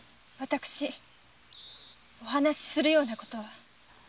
私お話するような事は。